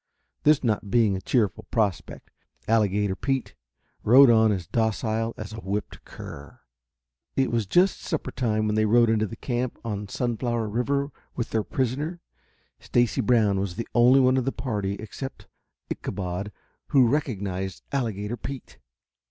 This not being a cheerful prospect, Alligator Pete rode on as docile as a whipped cur. It was just supper time when they rode into the camp on Sunflower River with their prisoner. Stacy Brown was the only one of the party except Ichabod who recognized Alligator Pete.